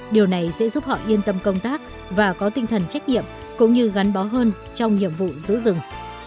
điều này sẽ giúp họ yên tâm công tác và có tinh thần trách nhiệm cũng như gắn bó hơn trong nhiệm vụ giữ rừng